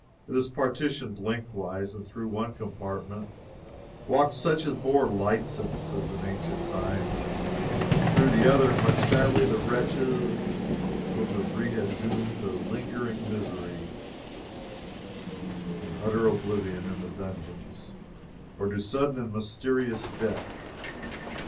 It is partitioned lengthwise, and through one compartment walked such as bore light sentences in ancient times, and through the other marched sadly the wretches whom the Three had doomed to lingering misery and utter oblivion in the dungeons, or to sudden and mysterious death.